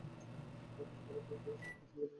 আমরা মরু ভালুকরা শত প্রতিকূলতার মধ্যেও বেঁচে থাকি।